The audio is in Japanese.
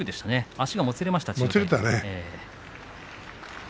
足がもつれたね。